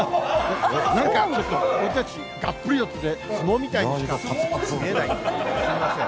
なんか、ちょっと僕たち、がっぷり四つで、相撲みたいにしか見えない、すみません。